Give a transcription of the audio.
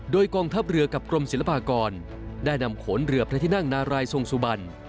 โดยกองทัพเรือกับกรมศิลปากรได้นำขนเรือพระที่นั่งนารายทรงสุบัน